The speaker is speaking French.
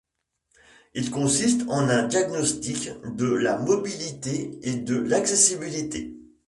Il consiste en un diagnostic de la mobilité et de l'accessibilité.